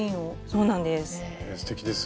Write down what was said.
そうなんです。